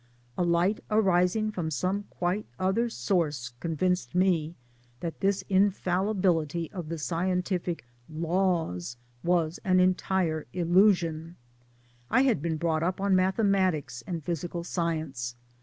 A light arising! from some quite other source convinced me that this infallibility of the scientific " Laws " was an entire illusion. I had been brought up on mathematics and physical science.